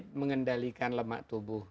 arti tadi mengendalikan lemak tubuh